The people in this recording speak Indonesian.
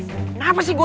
kenapa sih gue